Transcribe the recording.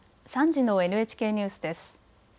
３時のＮＨＫニュースです。